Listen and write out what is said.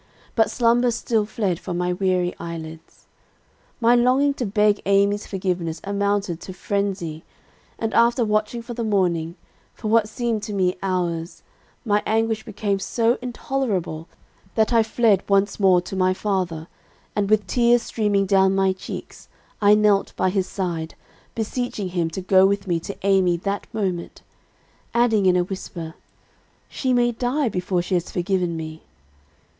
But slumber still fled from my weary eyelids. "My longing to beg Amy's forgiveness amounted to frenzy; and after watching for the morning, for what seemed to me hours, my anguish became so intolerable that I fled once more to my father, and with tears streaming down my cheeks, I knelt by his side, beseeching him to go with me to Amy that moment; adding, in a whisper, 'She may die before she has forgiven me.'